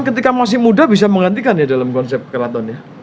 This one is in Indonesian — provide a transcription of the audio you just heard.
ketika masih muda bisa menggantikan ya dalam konsep keraton ya